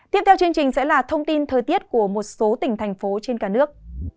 tiếp theo chương trình sẽ là thông tin thời tiết của một số tỉnh thành phố trên cả nước